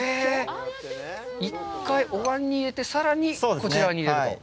１回おわんに入れて、さらにこちらに入れると。